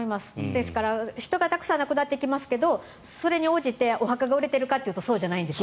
ですから、人がたくさん亡くなっていきますけどそれに応じてお墓が売れているかというとそうじゃないんです。